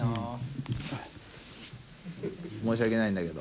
申し訳ないんだけど。